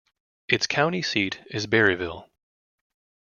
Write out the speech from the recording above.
Its county seat is Berryville.